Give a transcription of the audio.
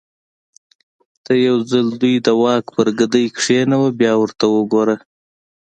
ته یو ځل دوی د واک پر ګدۍ کېنوه بیا ورته وګوره.